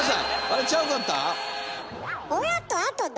あれちゃうかった？